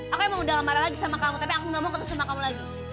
aku emang udah gak marah lagi sama kamu tapi aku gak mau ketemu sama kamu lagi